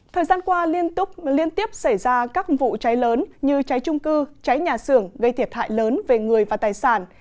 thời gian qua liên tiếp xảy ra các vụ cháy lớn như cháy trung cư cháy nhà xưởng gây thiệt hại lớn về người và tài sản